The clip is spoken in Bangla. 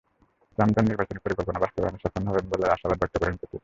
ট্রাম্প তাঁর নির্বাচনী পরিকল্পনা বাস্তবায়নে সফল হবেন বলে আশাবাদ ব্যক্ত করেছেন পুতিন।